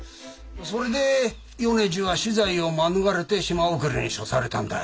それで米次は死罪を免れて島送りに処されたんだ。